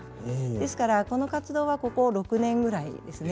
ですからこの活動はここ６年ぐらいですね。